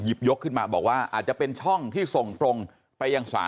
ยกขึ้นมาบอกว่าอาจจะเป็นช่องที่ส่งตรงไปยังศาล